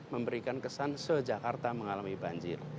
memberikan kesan se jakarta mengalami banjir